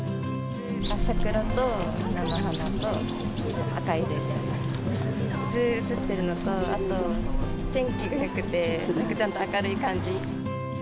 桜と菜の花と赤い電車と、３つ写ってるのと、あと天気がよくて、ちゃんと明るい感じ。